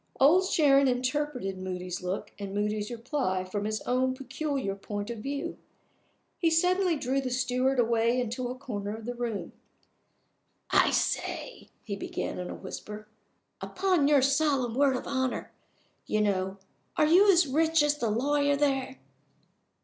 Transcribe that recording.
Old Sharon interpreted Moody's look and Moody's reply from his own peculiar point of view. He suddenly drew the steward away into a corner of the room. "I say!" he began, in a whisper. "Upon your solemn word of honor, you know are you as rich as the lawyer there?"